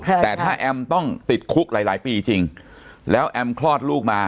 แต่ถ้าแอมต้องติดคุกหลายหลายปีจริงแล้วแอมคลอดลูกมา